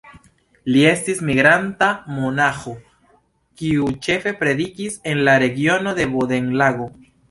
Li estis migranta monaĥo, kiu ĉefe predikis en la regiono de Bodenlago.